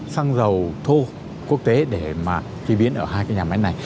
xăng dầu thô quốc tế để mà chi biến ở hai nhà máy này